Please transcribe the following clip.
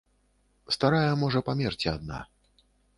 Старая можа памерці адна.